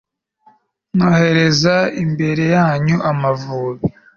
nohereza imbere yanyu amavubi